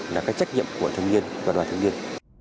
là cái trách nhiệm của thanh niên và đoàn thanh niên